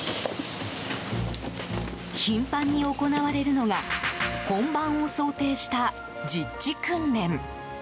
頻繁に行われるのが本番を想定した実地訓練。